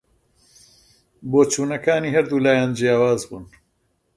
بۆچوونەکانی هەردوو لایان جیاواز بوون